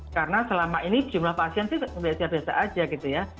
karena selama ini jumlah pasien sih biasa biasa aja gitu ya